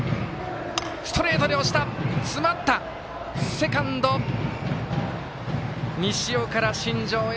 セカンド、西尾から新城へ。